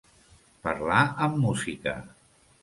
Parlar amb música.